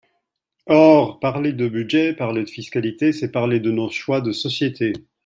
Or parler de budget, parler de fiscalité, c’est parler de nos choix de sociétés.